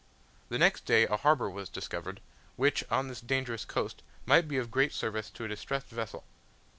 The next day a harbour was discovered, which on this dangerous coast might be of great service to a distressed vessel.